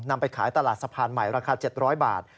ไปขายตลาดสะพานใหม่ราคา๗๐๐บาท